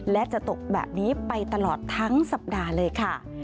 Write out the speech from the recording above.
และจะตกแบบนี้ไปตลอดทั้งสัปดาห์เลยค่ะ